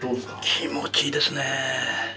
気持ちいいですね。